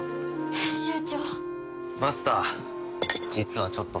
編集長！